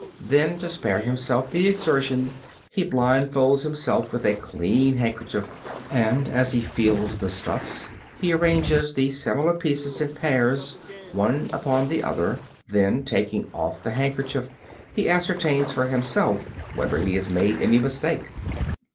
Then, to spare himself the exertion, he blindfolds himself with a clean handkerchief, and as he feels the stuffs, he arranges the similar pieces in pairs, one upon the other, then, taking off the handkerchief, he ascertains for himself whether he has made any mistake.